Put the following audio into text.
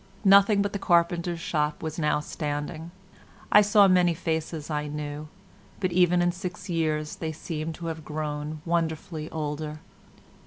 Nothing but the carpenter's shop was now standing. I saw many faces I knew, but even in six years they seemed to have grown wonderfully older.